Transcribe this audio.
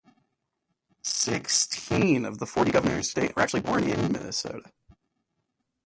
Sixteen of the forty governors to date were actually born in Minnesota.